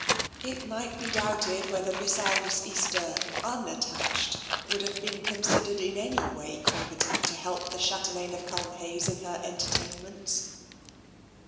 It might be doubted whether Miss Iris Easter, unattached, would have been considered in any way competent to help the chatelaine of Culmhayes in her entertainments.